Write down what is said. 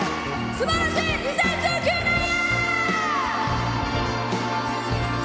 すばらしい２０１９年へ。